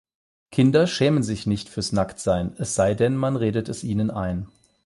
Kinder schämen sich nicht fürs Nacktsein, es sei denn man redet es ihnen ein.